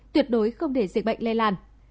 tuyệt đối không để dịch bệnh lây làn